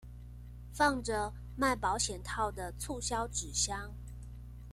放著賣保險套的促銷紙箱